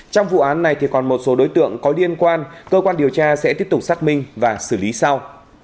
trong vụ án này còn một số đối tượng có liên quan cơ quan điều tra sẽ tiếp tục xác minh và xử lý sau